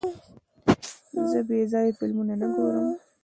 زه بېځایه فلمونه نه ګورم.